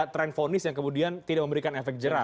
ternyata fonis yang kemudian tidak memberikan efek jerak